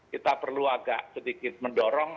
kita perlu agak sedikit mendorong